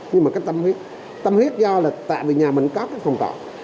nhưng mà cái tâm huyết tâm huyết do là tại vì nhà mình có cái phòng trọ